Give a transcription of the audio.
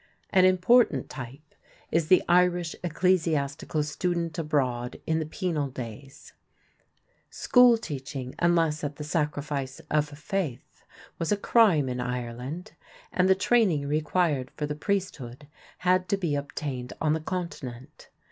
An important type is the Irish ecclesiastical student abroad in the penal days. School teaching, unless at the sacrifice of Faith, was a crime in Ireland, and the training required for the priesthood had to be obtained on the continent.